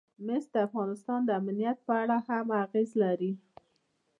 مس د افغانستان د امنیت په اړه هم اغېز لري.